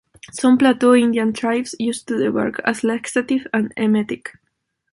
Some Plateau Indian tribes used the bark as a laxative and emetic.